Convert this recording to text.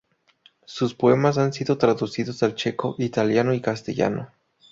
Sus poemas han sido traducidos al checo, italiano y castellano.